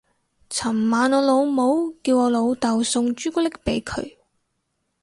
尋晚我老母叫我老竇送朱古力俾佢